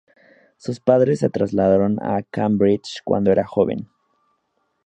Sus padres se trasladaron a Cambridge cuando era joven.